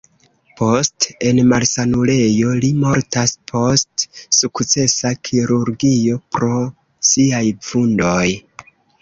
Post en malsanulejo li mortas post sukcesa kirurgio pro siaj vundoj.